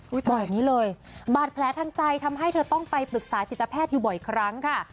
บอกอย่างนี้เลยบาดแผลทางใจทำให้เธอต้องไปปรึกษาจิตแพทย์อยู่บ่อยครั้งค่ะ